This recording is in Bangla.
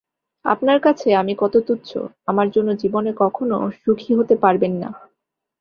আপনার কাছে আমি কত তুচ্ছ, আমার জন্য জীবনে কখনো সুখী হতে পারবেন না।